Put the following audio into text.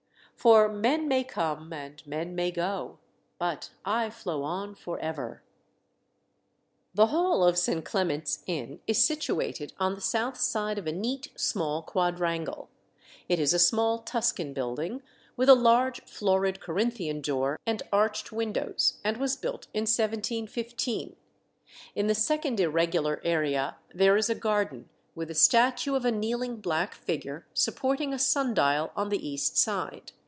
"For men may come, and men may go, But I flow on for ever." The hall of St. Clement's Inn is situated on the south side of a neat small quadrangle. It is a small Tuscan building, with a large florid Corinthian door and arched windows, and was built in 1715. In the second irregular area there is a garden, with a statue of a kneeling black figure supporting a sun dial on the east side.